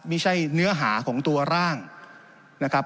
ไม่ใช่เนื้อหาของตัวร่างนะครับ